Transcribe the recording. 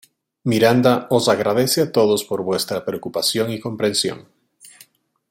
Miranda os agradece a todos por vuestra preocupación y comprensión".